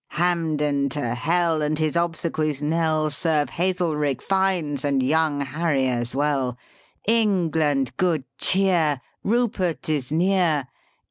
Ill Hampden to hell, and his obsequies' knell Serve Hazelrig, Fiennes, and young Harry as well ! England, good cheer! Rupert is near!